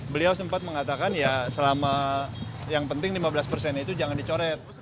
beliau sempat mengatakan ya selama yang penting lima belas persen itu jangan dicoret